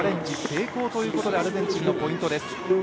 成功ということでアルゼンチンのポイントです。